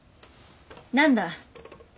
何だ？